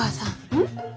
うん？